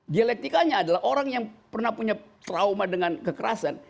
dialektikanya adalah orang yang pernah punya trauma dengan kekerasan